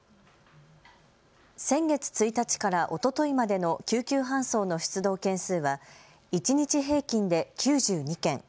先月１日からおとといまでの救急搬送の出動件数は一日平均で９２件。